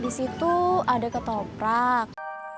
disitu ada ketoprak